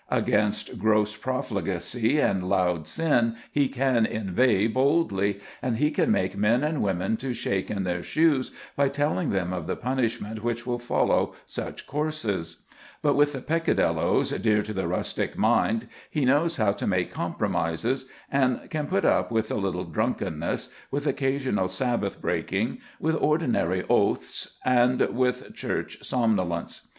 Against gross profligacy and loud sin he can inveigh boldly, and he can make men and women to shake in their shoes by telling them of the punishment which will follow such courses; but with the peccadilloes dear to the rustic mind he knows how to make compromises, and can put up with a little drunkenness, with occasional sabbath breaking, with ordinary oaths, and with church somnolence.